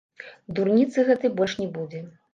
Дурніцы гэтай больш не будзе.